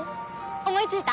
思いついた？